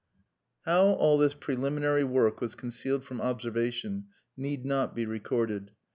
How all this preliminary work was concealed from observation need not be recorded.